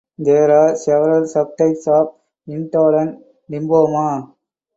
There are several subtypes of indolent lymphoma.